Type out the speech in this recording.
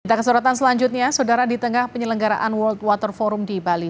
kita kesorotan selanjutnya saudara di tengah penyelenggaraan world water forum di bali